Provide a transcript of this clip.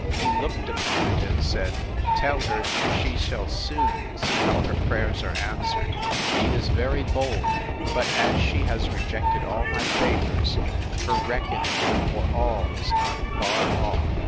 —He looked upon it, and said, Tell her, she shall soon see how her prayers are answered; she is very bold: but as she has rejected all my favours, her reckoning for all is not far off.